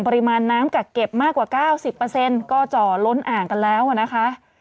ปริมาณน้ำกักเก็บมากกว่าเก้าสิบเปอร์เซ็นต์ก็จะล้นอ่างกันแล้วอ่ะนะคะ